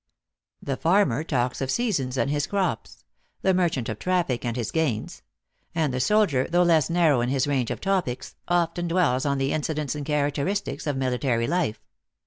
The farmer talks of seasons and his crops ; the merchant of traffic and his gains ; and the soldier, though less narrow in his range of topics, often dwells on the incidents and characteristics of military life.